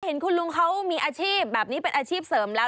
เห็นคุณลุงเขามีอาชีพแบบนี้เป็นอาชีพเสริมแล้ว